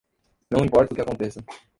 Não importa o que aconteça